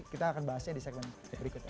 kita akan bahasnya di segmen berikutnya